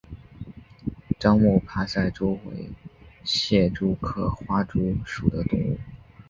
樟木爬赛蛛为蟹蛛科花蛛属的动物。